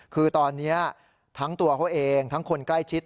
คือตอนนี้ทั้งตัวเขาเองทั้งคนใกล้ชิด